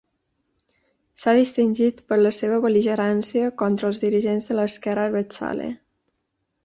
S'ha distingit per la seva bel·ligerància contra els dirigents de l'esquerra abertzale.